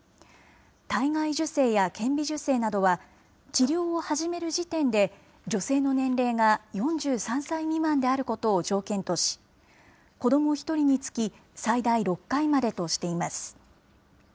体外受精や顕微授精などは、治療を始める時点で女性の年齢が４３歳未満であることを条件とし、子ども１人につき最大６回までとしています。